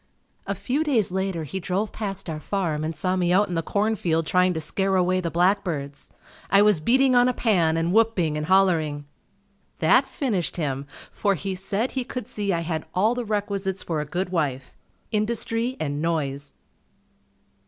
A few days later he drove past our farm and saw me out in the corn field trying to scare away the blackbirds. I was beating on a pan and whooping and hollering. That finished him for he said he could see I had all the requisites for a good wife, "Industry and noise."